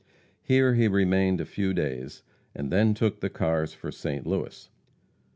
Here he remained a few days, and then took the cars for St, Louis.